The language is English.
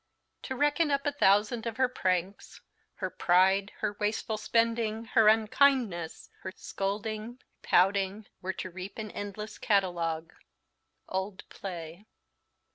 "To reckon up a thousand of her pranks, Her pride, her wasteful spending, her unkindness, Her scolding, pouting, ... Were to reap an endless catalogue." _Old Play.